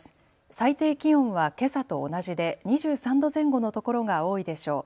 最低気温はけさと同じで２３度前後の所が多いでしょう。